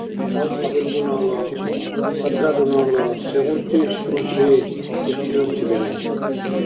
Халкьла хӀурбунала отрядунала сегъунти шуртӀри, ихтиюрти лера?